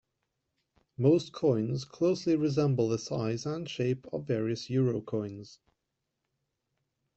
Most coins closely resemble the size and shape of various euro coins.